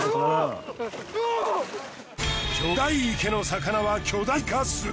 巨大池の魚は巨大化する。